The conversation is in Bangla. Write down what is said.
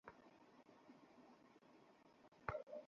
ডাক ভিতর থেকে এসেছে, দোস্ত।